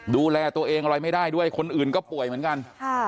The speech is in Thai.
ดูแลตัวเองอะไรไม่ได้ด้วยคนอื่นก็ป่วยเหมือนกัน